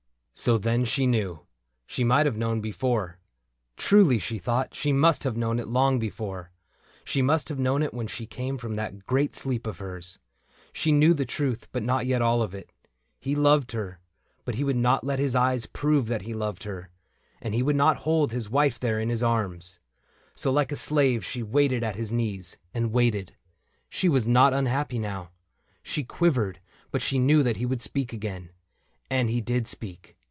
So then she knew. She might have known before ; Truly, she thought, she must have known it long Before : she must have known it when she came From that great sleep of hers. She knew the truth, but not yet all of it : He loved her, but he would not let his eyes Prove that he loved her ; and he would not hold His wife there in his arms. So, like a slave, she waited at his knees, And waited. She was not unhappy now. She quivered, but she knew that he would speak Again — and he did speak.